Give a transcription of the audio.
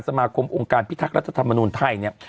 สมาคมองค์การพิทักษ์รัฐธรรมนุนไทยเนี่ย